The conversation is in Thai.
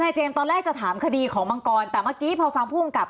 เจมส์ตอนแรกจะถามคดีของมังกรแต่เมื่อกี้พอฟังผู้กำกับ